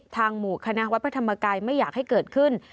หมู่คณะวัดพระธรรมกายไม่อยากให้เกิดขึ้น